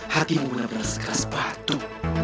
hatimu udah beres keras batu